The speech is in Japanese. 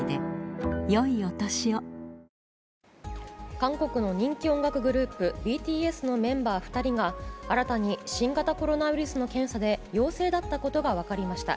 韓国の人気音楽グループＢＴＳのメンバー２人が新たに新型コロナウイルスの検査で陽性だったことが分かりました。